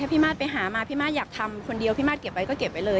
ถ้าพี่ม่าไปหามาพี่ม่าจะทำคนเดียวพี่ม่าเก็บก็เก็บไว้เลย